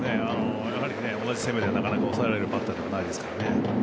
同じ攻めではなかなか抑えられるバッターではないですからね。